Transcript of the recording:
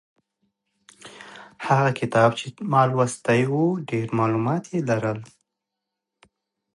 هغه کتاب چې ما لوستی و ډېر معلومات یې لرل.